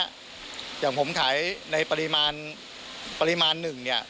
อย่างผมขายในปริมาณ๑เนี่ย